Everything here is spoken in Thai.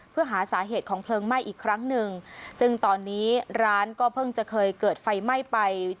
เพื่อหาสาเหตุของเพลิงไหม้อีกครั้งหนึ่งซึ่งตอนนี้ร้านก็เพิ่งจะเคยเกิดไฟไหม้ไป